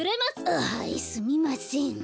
あはいすみません。